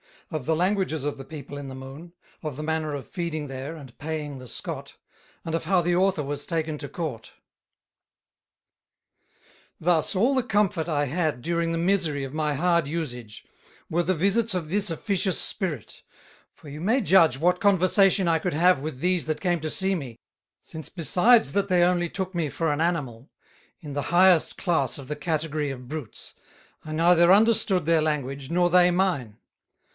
Of the Languages of the People in the Moon; of the Manner of Feeding there, and Paying the Scot; and of how the Author was taken to Court. Thus, all the comfort I had during the misery of my hard Usage, were the visits of this officious Spirit; for you may judge what conversation I could have with these that came to see me, since besides that they only took me for an Animal, in the highest class of the Category of Bruits, I neither understood their Language, nor they mine.